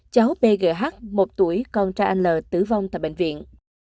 cháu bgh một tuổi con trai anh l tử vong tại bệnh viện